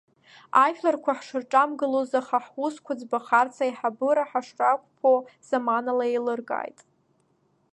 Ажәларқәа ҳшырҿамгылоз, аха, ҳусқәа ӡбахарц, аиҳабыра ҳашрақәԥо заманала еилыркааит.